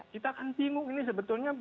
kita kan bingung ini sebetulnya